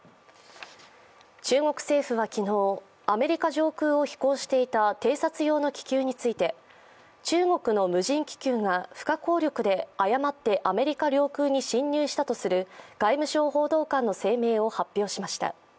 中国政府は昨日、アメリカ上空を飛行していた偵察用の気球について中国の無人気球が不可抗力で誤ってアメリカ領空に侵入したとする外務省報道官の声明を発表しました。